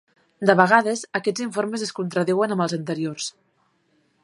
De vegades, aquests informes es contradiuen amb els anteriors.